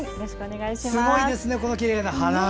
すごいですね、きれいな花。